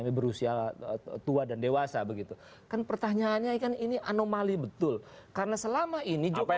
berusia tua dan dewasa begitu kan pertanyaannya kan ini anomali betul karena selama ini jokowi